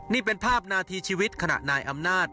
นี่เป็นภาพนาทีชีวิตขณะนายอำนาจ